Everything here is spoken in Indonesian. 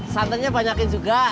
santennya banyakin juga